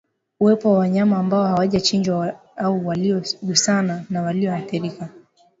Uwepo wa wanyama ambao hawajachanjwa au waliogusana na walioathirika